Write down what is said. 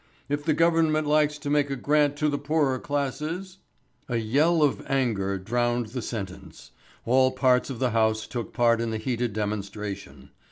If the Government likes to make a grant to the poorer classes " A yell of anger drowned the sentence. All parts of the House took part in the heated demonstration.